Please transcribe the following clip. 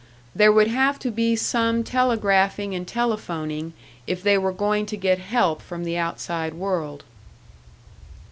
There would have to be some telegraphing and telephoning if they were going to get help from the outside world.